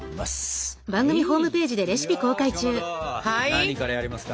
何からやりますか？